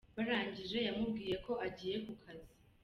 Barangije yamubwiye ko agiye ku kazi.